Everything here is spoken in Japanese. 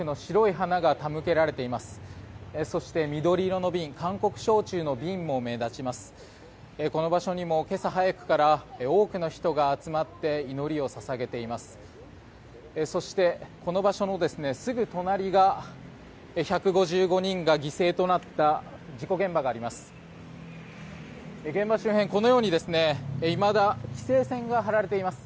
そして、この場所のすぐ隣が１５５人が犠牲となった事故現場があります。